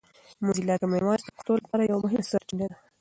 موزیلا کامن وایس د پښتو لپاره یوه مهمه سرچینه ده.